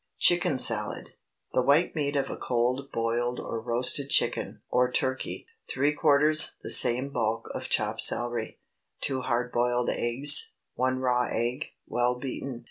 CHICKEN SALAD. ✠ The white meat of a cold boiled or roasted chicken (or turkey). Three quarters the same bulk of chopped celery. 2 hard boiled eggs. 1 raw egg, well beaten.